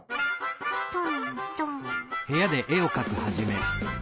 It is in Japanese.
トントン。